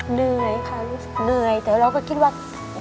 เหนื่อยค่ะรู้สึกเหนื่อยแต่เราก็คิดว่า